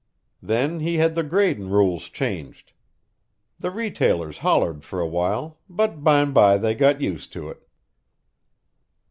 Then he had the gradin' rules changed. The retailers hollered for a while, but bimeby they got used to it."